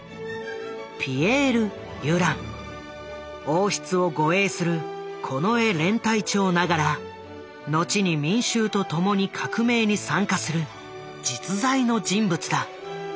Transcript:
王室を護衛する近衛連隊長ながら後に民衆と共に革命に参加する実在の人物だ。